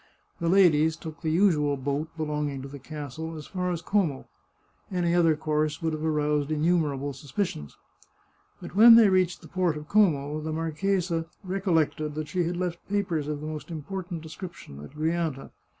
The ladies took the usual boat belonging to the castle as far as Como ; any other course would have aroused innu merable suspicions. But when they reached the port of Como, the marchesa recollected that she had left papers of the most important description at Grianta.